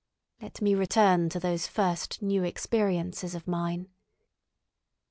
Let me return to those first new experiences of mine.